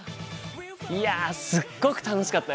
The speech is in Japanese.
いやすっごく楽しかったよ！